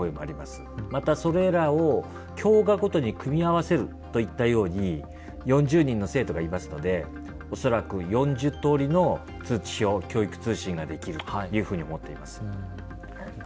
またそれらを教科ごとに組み合わせるといったように４０人の生徒がいますので恐らく４０通りの通知表教育通信が出来るというふうに思っています。